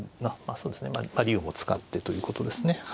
そうですね竜を使ってということですね。